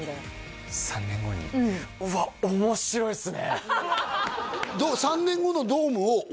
うわっ面白いっすねどう？